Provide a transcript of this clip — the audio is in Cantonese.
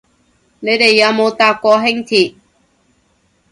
你哋有冇搭過輕鐵